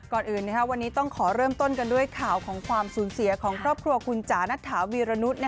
ก่อนอื่นวันนี้ต้องขอเริ่มต้นกันด้วยข่าวของความสูญเสียของครอบครัวคุณจ๋านัทถาวีรนุษย์